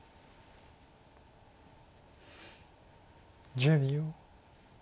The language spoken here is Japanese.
１０秒。